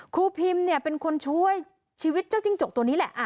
ครูพิมเนี่ยเป็นคนช่วยชีวิตเจ้าจิ้งจกตัวนี้แหละ